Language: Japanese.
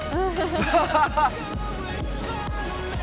ハハハハ！